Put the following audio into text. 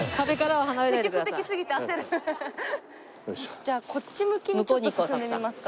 じゃあこっち向きにちょっと進んでみますか。